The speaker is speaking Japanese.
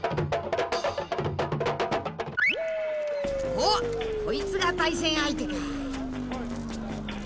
おっこいつが対戦相手か。